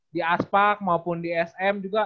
di aspak maupun di sm juga